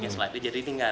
slide nya jadi ringan